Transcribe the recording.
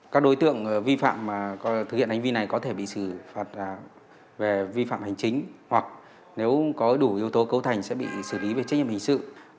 các đối tượng vi phạm mà thực hiện hành vi này có thể bị xử phạt về vi phạm hành chính hoặc nếu có đủ yếu tố cấu thành sẽ bị xử lý về trách nhiệm hình sự